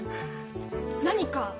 何か？